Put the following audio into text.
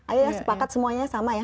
ayo sepakat semuanya sama ya